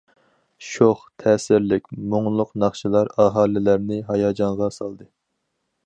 شوخ، تەسىرلىك، مۇڭلۇق ناخشىلار ئاھالىلەرنى ھاياجانغا سالدى.